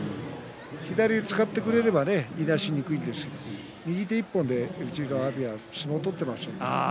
左を使ってくれればねいなしにくいんですけど右手１本で、うちの阿炎は相撲を取っていますよ。